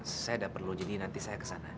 saya saya udah perlu jadiin nanti saya ke sana